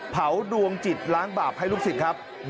ดวงจิตล้างบาปให้ลูกศิษย์ครับ